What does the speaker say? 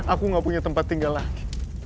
aku gak punya tempat tinggal lagi